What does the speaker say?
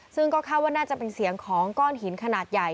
ซึ่งก็คาดว่าน่าจะเป็นเสียงของก้อนหินขนาดใหญ่